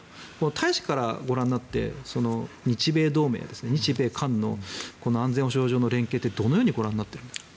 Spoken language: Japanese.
大使からご覧になって日米同盟ですね日米韓の安全保障上の連携はどのようにご覧になっていますか。